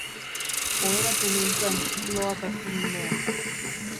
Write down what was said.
Oheratu nintzen, loak hartu ninduen.